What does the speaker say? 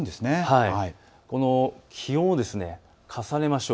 この気温を重ねましょう。